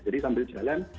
jadi sambil jalan